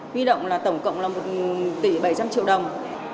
huy động là tổng cộng là một tỷ bảy trăm linh triệu đồng